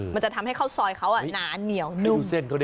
มันจะทำให้ข้าวซอยเขาหนาเหนียวนุ่ม